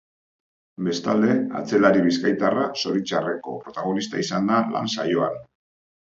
Bestalde, atzelari bizkaitarra zoritxarreko protagonista izan da lan saioan.